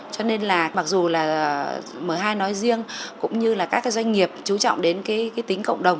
cho nên là mặc dù là m hai nói riêng cũng như là các cái doanh nghiệp chú trọng đến cái tính cộng đồng